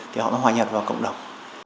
thì họ mới hòa nhập vào cộng đồng